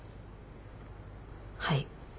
はい。